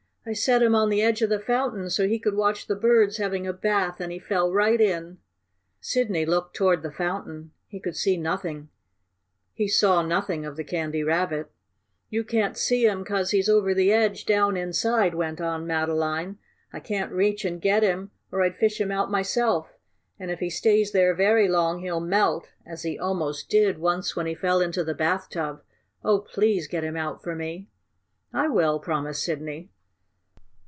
I set him on the edge of the fountain so he could watch the birds having a bath, and he fell right in." Sidney looked toward the fountain. He saw nothing of the Candy Rabbit. "You can't see him 'cause he's over the edge, down inside," went on Madeline. "I can't reach and get him, or I'd fish him out myself. And if he stays there very long he'll melt, as he almost did once when he fell into the bathtub. Oh, please get him out for me." "I will!" promised Sidney.